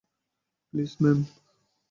Please, ma'am.